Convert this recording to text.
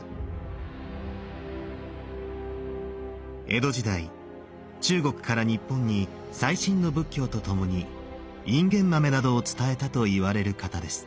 江戸時代中国から日本に最新の仏教とともにいんげん豆などを伝えたといわれる方です。